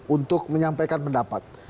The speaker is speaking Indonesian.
untuk menyampaikan pendapat